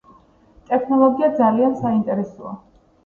ტექნოლოგია ძალიან საინტერესოა